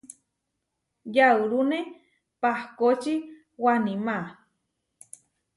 Yaurúne pahkóči Waníma.